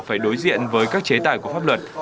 phải đối diện với các chế tài của pháp luật